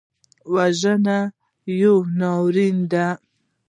وژنه یو ناورین دی